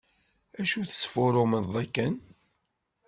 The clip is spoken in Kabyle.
Acu tesfurrumeḍ akken?